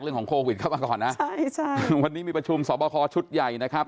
เรื่องของโควิดเข้ามาก่อนนะใช่ใช่วันนี้มีประชุมสอบคอชุดใหญ่นะครับ